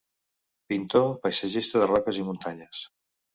Pintor paisatgista de roques i muntanyes.